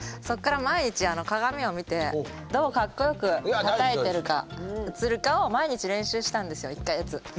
そこから毎日鏡を見てどうかっこよくたたいてるか映るかを毎日練習したんですよ１か月。